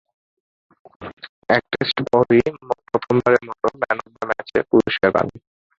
এক টেস্ট পরই প্রথমবারের মতো ম্যান অব দ্য ম্যাচের পুরস্কার পান।